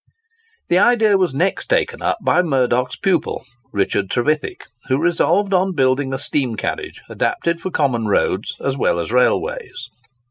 The idea was next taken up by Murdock's pupil, Richard Trevithick, who resolved on building a steam carriage adapted for common roads as well as railways.